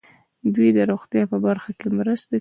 دوی د روغتیا په برخه کې مرستې کوي.